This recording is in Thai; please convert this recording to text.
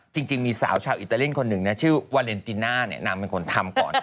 จริงมีสาวชาวอิตาเลียนคนหนึ่งนะชื่อวาเลนติน่าเนี่ยนางเป็นคนทำก่อน